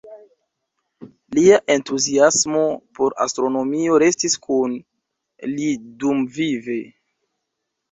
Lia entuziasmo por astronomio restis kun li dumvive.